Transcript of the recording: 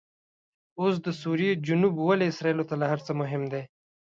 اوس دسوریې جنوب ولې اسرایلو ته له هرڅه مهم دي؟